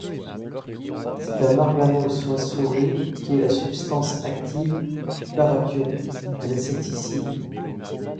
C'est un organophosphoré qui est la substance active du parathion, un insecticide.